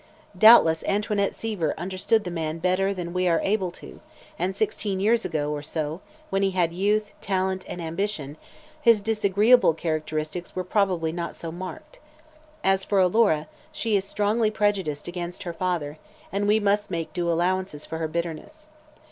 Doubtless Antoinette Seaver understood the man better than we are able to and sixteen years ago, or so, when he had youth, talent and ambition, his disagreeable characteristics were probably not so marked. As for Alora, she is strongly prejudiced against her father and we must make due allowance for her bitterness.